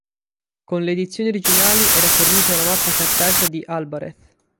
Con le edizioni originali era fornita una mappa cartacea di Albareth.